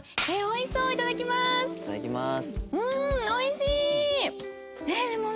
いただきます。